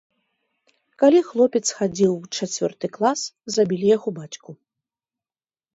Калі хлопец хадзіў у чацвёрты клас, забілі яго бацьку.